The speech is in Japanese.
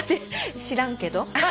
知らんけど。